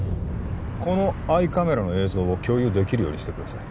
このアイカメラの映像を共有できるようにしてください